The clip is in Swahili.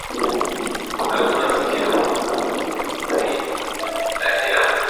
almasi kila mwaka Tumaini la kila Mkristo